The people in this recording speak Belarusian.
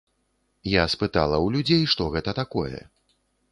Я спытала ў людзей, што гэта такое.